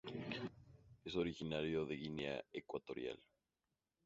Es originario de Guinea Ecuatorial.